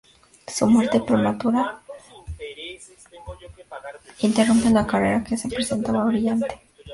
Su muerte prematura interrumpe una carrera que se presentaba brillante.